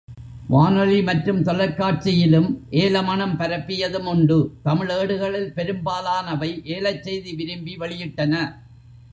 வானொலி மற்றும் தொலைக்காட்சியிலும் ஏலமணம் பரப்பியதும் உண்டு தமிழ் ஏடுகளில் பெரும்பாலானவை ஏலச்செய்தி விரும்பி வெளியிட்டன.